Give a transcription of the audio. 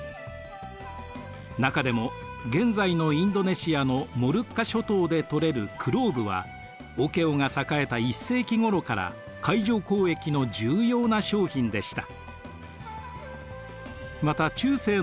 中でも現在のインドネシアのモルッカ諸島で採れるクローブはオケオが栄えた１世紀ごろから海上交易の重要な商品でした。